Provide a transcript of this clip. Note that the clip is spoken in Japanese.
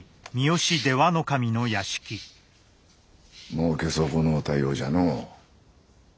もうけ損のうたようじゃの。